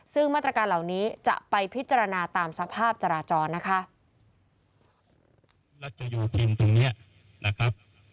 ซึ่งมาตรการเหล่านี้จะไปพิจารณาตามสภาพจราจรนะคะ